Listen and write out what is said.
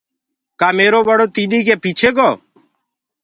ڪآ ميرو ٻڙو تيڏ ڪي پيڇي گو۔